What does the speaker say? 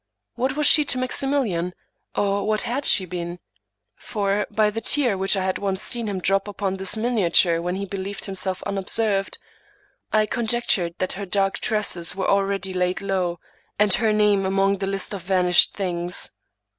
What was she to Maximilian, or what had she been ? For, by the tear which I had once seen him drop upon this miniature when he believed himself unobserved, I conjec tured that her dark tresses were already laid low, and her name among the list of vanished things.